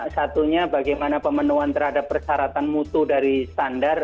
satunya bagaimana pemenuhan terhadap persyaratan mutu dari standar